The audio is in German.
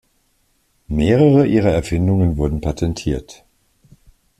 Mehrere ihrer Erfindungen wurden patentiert.